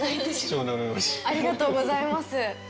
ありがとうございます。